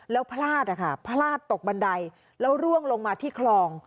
แล้วพลาดนะคะพลาดตกบันไดแล้วร่วงลงมาที่คลอง